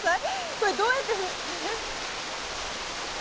これどうやって。